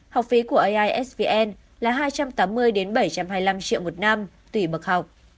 học phí của aisvn là hai trăm tám mươi bảy trăm hai mươi năm triệu một năm tùy bậc học